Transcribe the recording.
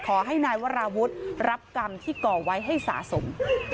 ขอให้นายวราวุฒิรับกรรมที่ก่อไว้ให้สะสม